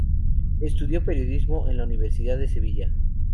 Estudió periodismo en la Universidad de Sevilla.